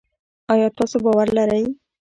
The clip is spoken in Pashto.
آیا تاسو باور لرئ؟